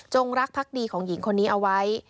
รักพักดีของหญิงคนนี้เอาไว้